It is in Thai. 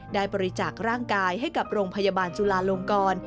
ได้บริจาคร่างกายให้กับโรงพยาบาลจุลาลงกร